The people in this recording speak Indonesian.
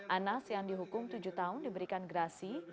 anas yang dihukum tujuh tahun diberikan gerasi